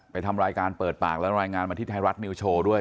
ทำรายการเปิดปากแล้วรายงานมาที่ไทยรัฐนิวโชว์ด้วย